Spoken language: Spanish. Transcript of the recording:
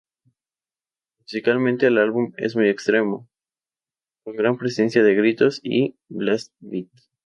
Musicalmente el álbum es muy extremo, con gran presencia de gritos y "blast beat".